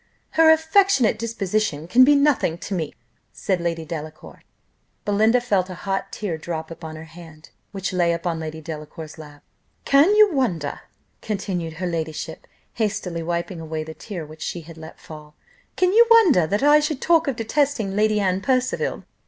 "Her affectionate disposition can be nothing to me," said Lady Delacour. Belinda felt a hot tear drop upon her hand, which lay upon Lady Delacour's lap. "Can you wonder," continued her ladyship, hastily wiping away the tear which she had let fall; "can you wonder that I should talk of detesting Lady Anne Percival?